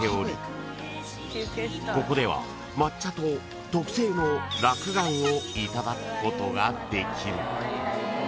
ここでは抹茶と特製のらくがんをいただくことができる］